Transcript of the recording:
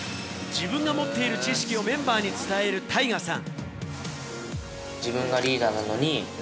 自分が持っている知識をメンバーに伝えるタイガさん。